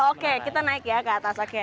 oke kita naik ya ke atas oke